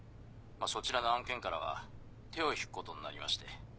そちらの案件からは手を引くことになりまして。